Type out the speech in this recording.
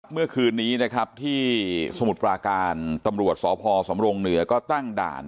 เมื่อคืนนี้นะครับที่สมุทรปราการตำรวจสพสำรงเหนือก็ตั้งด่าน